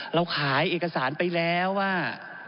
เราขายเอกสารไปแล้วว่า